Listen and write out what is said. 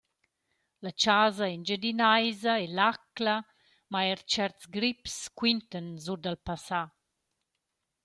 La chasa engiadinaisa e l’acla, ma eir tscherts grips quintan sur dal passà.